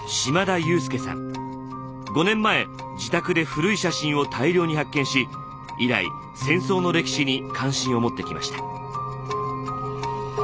５年前自宅で古い写真を大量に発見し以来戦争の歴史に関心を持ってきました。